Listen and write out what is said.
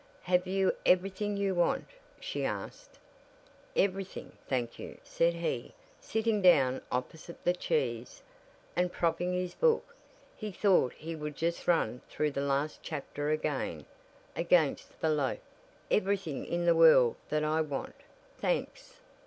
"Have you everything you want?" she asked. "Everything, thank you," said he, sitting down opposite the cheese, and propping his book (he thought he would just run through the last chapter again) against the loaf; "everything in the world that I want, thanks."